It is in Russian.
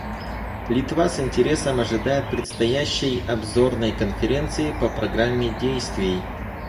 Литва с интересом ожидает предстоящей Обзорной конференции по программе действий.